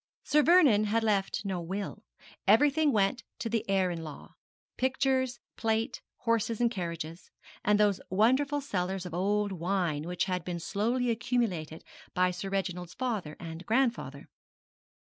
Sir Vernon had left no will. Everything went to the heir at law pictures, plate, horses and carriages, and those wonderful cellars of old wine which had been slowly accumulated by Sir Reginald's father and grandfather.